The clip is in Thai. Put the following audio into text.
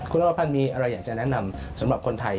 คุณอภัณฑ์มีอะไรอยากจะแนะนำสำหรับคนไทย